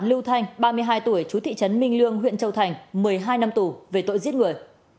lưu thanh ba mươi hai tuổi chú thị trấn minh lương huyện châu thành một mươi hai năm tù về tội giết người